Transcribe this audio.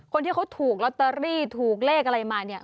คนที่เขาถูกลอตเตอรี่ถูกเลขอะไรมาเนี่ย